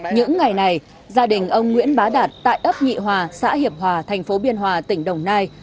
những ngày này gia đình ông nguyễn bá đạt tại ấp nhị hòa xã hiệp hòa thành phố biên hòa tỉnh đồng nai